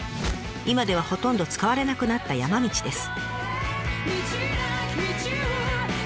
今ではほとんど使われなくなった山道です。